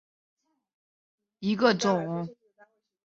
黑头柄眼长蝽为长蝽科柄眼长蝽属下的一个种。